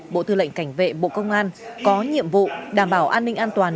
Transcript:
bộ tư lệnh cảnh vệ bộ công an có nhiệm vụ đảm bảo an ninh an toàn